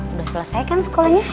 udah selesai kan sekolahnya